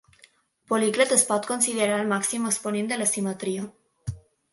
Policlet es pot considerar el màxim exponent de la simetria.